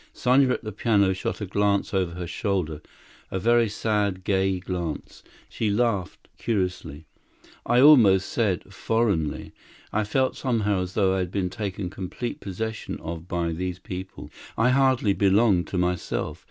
Sanya at the piano shot a glance over her shoulder, a very sad gay glance; she laughed, curiously, I almost said foreignly. I felt somehow as though I had been taken complete possession of by these people. I hardly belonged to myself.